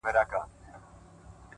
ما د ملا نه د آذان په لور قدم ايښی دی;